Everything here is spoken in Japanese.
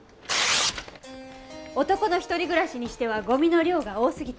男の一人暮らしにしてはゴミの量が多すぎた。